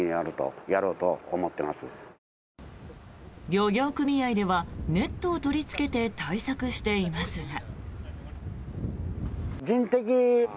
漁業組合ではネットを取りつけて対策していますが。